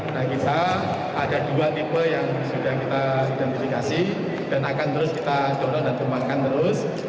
nah kita ada dua tipe yang sudah kita identifikasi dan akan terus kita dorong dan tumbangkan terus